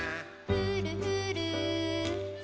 ふるふる。